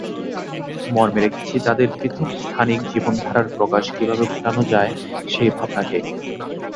মর্মে রেখেছি তাদের পৃথক স্থানিক জীবনধারার প্রকাশ কীভাবে ঘটানো যায়, সেই ভাবনাকে।